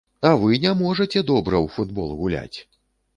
А вы не можаце добра ў футбол гуляць!